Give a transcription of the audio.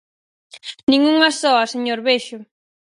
¡Nin unha soa, señor Bexo!